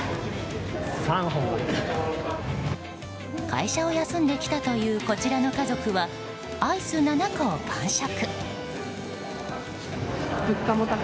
会社を休んできたというこちらの家族はアイス７個を完食。